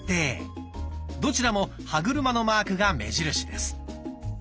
どちらも歯車のマークが目印です。